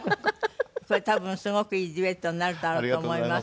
これ多分すごくいいデュエットになるだろうと思います。